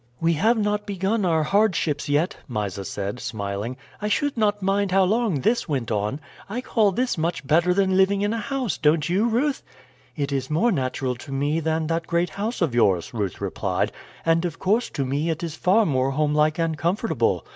"We have not begun our hardships yet," Mysa said, smiling. "I should not mind how long this went on. I call this much better than living in a house; don't you, Ruth?" "It is more natural to me than that great house of yours," Ruth replied; "and of course to me it is far more homelike and comfortable.